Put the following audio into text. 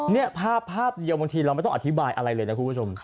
นี่ภาพภาพเดียวบางทีเราไม่ต้องอธิบายอะไรเลยนะคุณผู้ชม